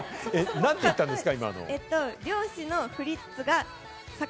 何て言ったんですか？